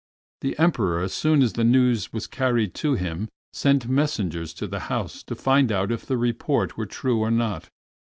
The Emperor, as soon as the news was carried to him, sent messengers to the house to find out if the report were true or not.